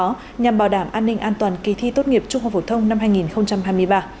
nhằm bảo đảm an ninh an toàn kỳ thi tốt nghiệp trung học phổ thông năm hai nghìn hai mươi ba